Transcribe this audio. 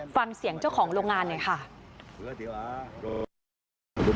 ฟังเสียงเจ้าของโรงงานหน่อยค่ะ